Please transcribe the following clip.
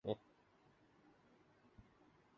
کپتان کا سب سے برا جرم میچ کو فنش نہ کرنا ہے